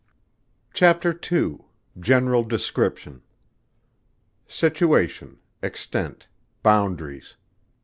CHAPTER II. GENERAL DESCRIPTION. _Situation. Extent. Boundaries.